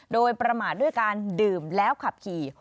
โดยประมาทด้วยการดื่มแล้วขับขี่